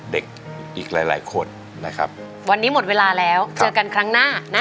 อีกหลายหลายคนนะครับวันนี้หมดเวลาแล้วเจอกันครั้งหน้านะ